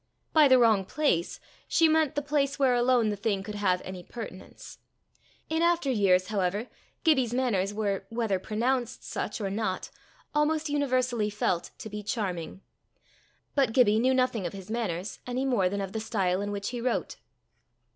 By the wrong place she meant the place where alone the thing could have any pertinence. In after years, however, Gibbie's manners were, whether pronounced such or not, almost universally felt to be charming. But Gibbie knew nothing of his manners any more than of the style in which he wrote.